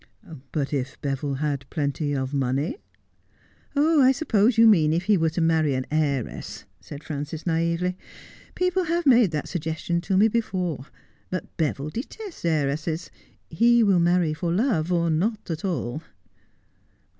' But if Beville had plenty of money '' I suppose you mean if he were to marry an heiress,' said Frances naively. 'People have made that suggestion to me before ; but Beville detests heiresses. He will marry for love 01 not at all.'